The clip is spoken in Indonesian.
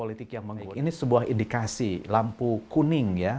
ini sebuah indikasi lampu kuning ya